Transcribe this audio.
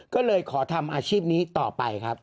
ก็เลยขอทำอาชีพนี้ต่อไปครับ